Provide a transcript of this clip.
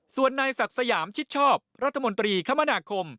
ส่วนนายศักดิ์สยามชิดชอบรัฐมนตรีคมนาคม